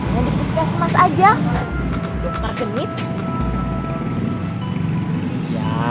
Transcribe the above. ya di puskesmas aja dokter genit